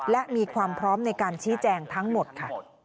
และมีความพร้อมในการชี้แจงทั้งหมดค่ะ